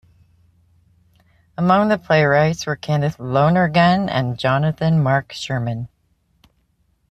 Among the playwrights were Kenneth Lonergan and Jonathan Marc Sherman.